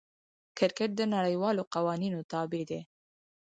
کرکټ د نړۍوالو قوانینو تابع دئ.